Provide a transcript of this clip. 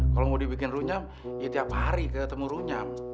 kalau mau dibikin runyam ya tiap hari ketemu runyam